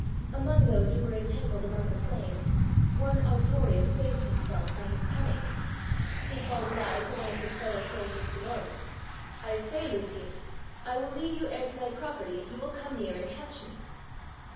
Among those who were entangled among the flames, one Artorius saved himself by his cunning. He called aloud to one of his fellow soldiers below, "I say, Lucius! I will leave you heir to my property if you will come near and catch me."